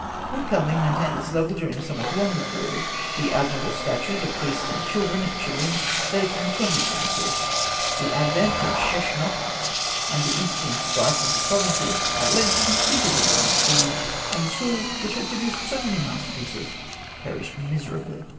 Wood carving maintained its level during a somewhat longer period. The admirable statuettes of priests and children at Turin date from the Twentieth Dynasty. The advent of Sheshonk and the internecine strife of the provinces at length completed the ruin of Thebes, and the school which had produced so many masterpieces perished miserably.